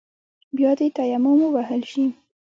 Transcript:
بيا دې تيمم ووهل شي.